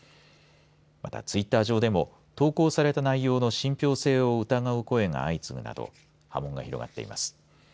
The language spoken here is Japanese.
またツイッター上でも投稿された内容の信ぴょう性を疑う声が相次ぐなど波紋が広がっています。